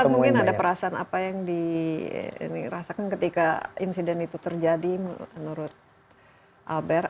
atau mungkin ada perasaan apa yang dirasakan ketika insiden itu terjadi menurut albert